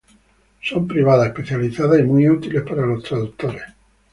Son privadas, especializadas y muy útiles para los traductores.